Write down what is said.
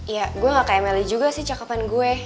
ya gue ga kayak melly juga sih cakepan gue